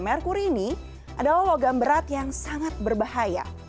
merkuri ini adalah logam berat yang sangat berbahaya